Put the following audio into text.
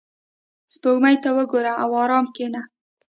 • سپوږمۍ ته وګوره او آرامه کښېنه.